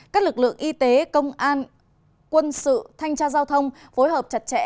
các lực lượng y tế công an quân sự thanh tra giao thông phối hợp chặt chẽ